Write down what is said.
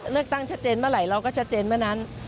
เลือกตั้งชัดเจนเมื่อไหร่เราก็ชัดเจนเมื่อนั้น